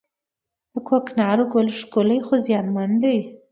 د کوکنارو ګل ښکلی خو زیانمن دی